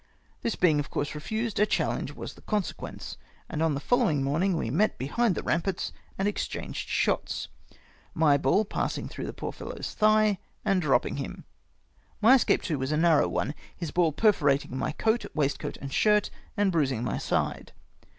This being of course re fused, a challenge was the consequence ; and on the following morning we met behind the ramparts and exchanged shots, my ball passing through the poor fellow's thigh and dropping him. My escape, too, was a narrow one — his baU perforating my coat, waistcoat, and sliirt, and bridsing my side.